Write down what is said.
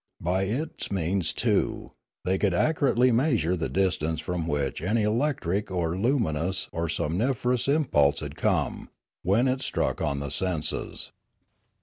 By its means, too, they could accurately measure the distance from which any electric or lumin ous or somniferous impulse had come, when it struck on the senses.